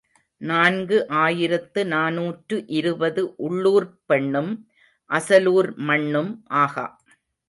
நான்கு ஆயிரத்து நாநூற்று இருபது உள்ளூர்ப் பெண்ணும் அசலூர் மண்ணும் ஆகா.